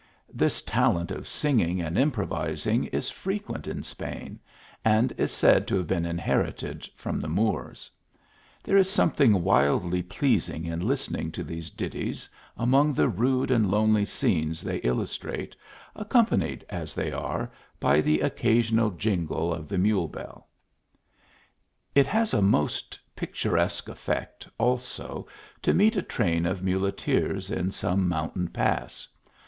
This talent of singing and improvising is frequent in Spain, and is said to have been inherited from the Moors. There is something wildly pleasing in listening to these ditties among the rude and lonely scenrs they illus tratf " as they arv, by "he QC>,:. jing;c of the mule bell. THE JOURNEY. 18 It has a most picturesque effect, also, to meet a train of muleteers in some mountain pass.